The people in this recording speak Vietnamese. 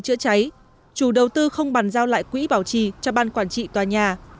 chữa cháy chủ đầu tư không bàn giao lại quỹ bảo trì cho ban quản trị tòa nhà